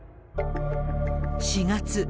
４月。